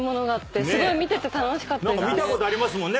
見たことありますもんね